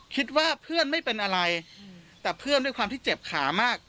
คิดว่าเพื่อนไม่เป็นอะไรแต่เพื่อนด้วยความที่เจ็บขามาก